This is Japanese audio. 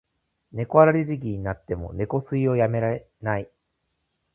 猫アレルギーになっても、猫吸いをやめない。